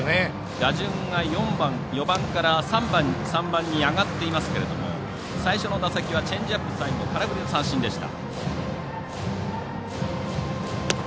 打順が４番から３番に上がっていますけど最初の打席はチェンジアップからの空振りの三振でした。